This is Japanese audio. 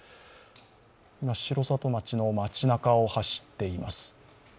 城里町の町なかを走っています。